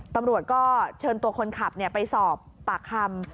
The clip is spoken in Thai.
ตำรวจก็เชิญตัวคนขับไปสอบปากคำ